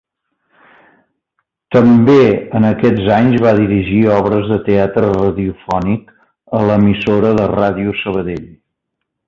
També en aquests anys va dirigir obres de teatre radiofònic a l'emissora Ràdio Sabadell.